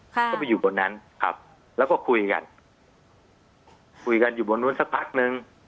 ก็ไปอยู่บนนั้นครับแล้วก็คุยกันคุยกันอยู่บนนู้นสักพักนึง